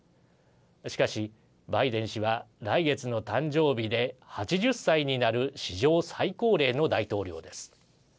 しかし、バイデン氏は来月の誕生日で８０歳になる史上最高齢の大統領です。